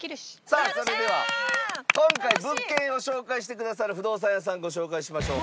さあそれでは今回物件を紹介してくださる不動産屋さんご紹介しましょう。